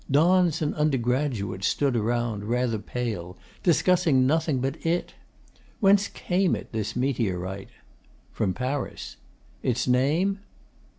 Dons and undergraduates stood around, rather pale, discussing nothing but it. Whence came it, this meteorite? From Paris. Its name?